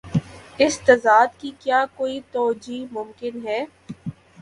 اس تضاد کی کیا کوئی توجیہہ ممکن ہے؟